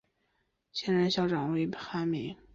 现任校长为韩民。